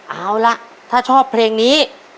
เอาล่ะถ้าชอบเพลงนี้